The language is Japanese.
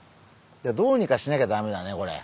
いやどうにかしなきゃダメだねこれ。